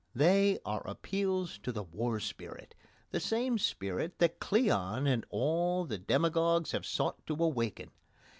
They are appeals to the war spirit the same spirit that Cleon and all the demagogues have sought to awaken.